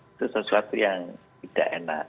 itu sesuatu yang tidak enak